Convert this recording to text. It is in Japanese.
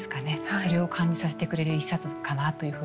それを感じさせてくれる一冊かなというふうに思ったんですが。